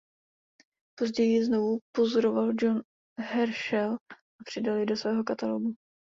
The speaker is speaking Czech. Později ji znovu pozoroval John Herschel a přidal ji do svého katalogu.